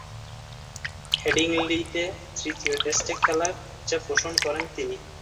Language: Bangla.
হেডিংলিতে তৃতীয় টেস্টে খেলার ইচ্ছা পোষণ করেন তিনি।